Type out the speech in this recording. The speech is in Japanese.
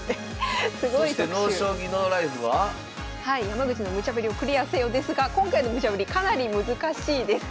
「山口のムチャぶりをクリアせよ」ですが今回のムチャぶりかなり難しいです。